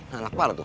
nah lapar tuh